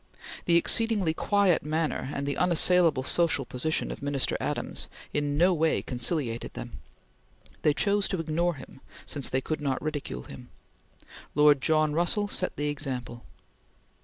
The exceedingly quiet manner and the unassailable social position of Minister Adams in no way conciliated them. They chose to ignore him, since they could not ridicule him. Lord John Russell set the example.